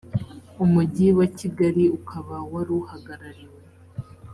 umujyi wa kigali ukaba wari uwuhagarariwe